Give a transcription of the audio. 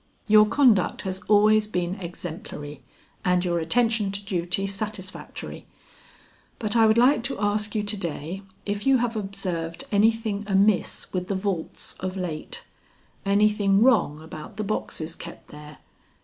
"Your conduct has always been exemplary, and your attention to duty satisfactory; but I would like to ask you to day if you have observed anything amiss with the vaults of late? anything wrong about the boxes kept there?